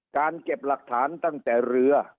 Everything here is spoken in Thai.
เก็บหลักฐานตั้งแต่เรือ